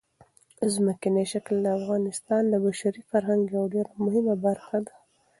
ځمکنی شکل د افغانستان د بشري فرهنګ یوه ډېره مهمه برخه ده.